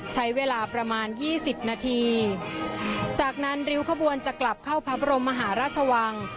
ใช้เวลาประมาณยี่สิบนาทีจากนั้นริ้วขบวนจะกลับเข้าพระบรมมหาราชวัง